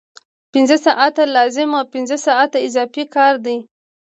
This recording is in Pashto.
پنځه ساعته لازم او پنځه ساعته اضافي کار دی